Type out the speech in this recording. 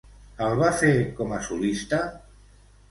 El va fer com a solista?